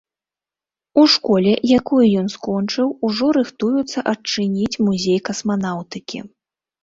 У школе, якую ён скончыў, ужо рыхтуюцца адчыніць музей касманаўтыкі.